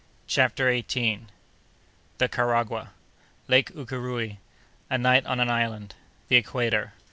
CHAPTER EIGHTEENTH. The Karagwah.—Lake Ukéréoué.—A Night on an Island.—The Equator.